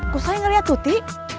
kusoy melihat tuti